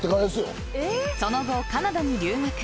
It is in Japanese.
その後、カナダに留学。